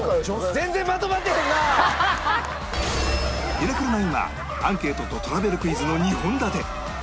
『ミラクル９』はアンケートとトラベルクイズの２本立て